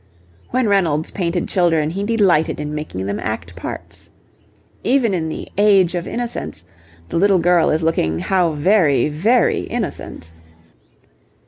When Reynolds painted children he delighted in making them act parts. Even in the 'Age of Innocence' the little girl is looking how very very innocent.